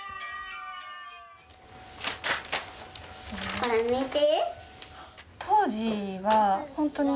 これ見て。